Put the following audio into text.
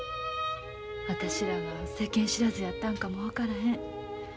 私らが世間知らずやったんかも分からへん。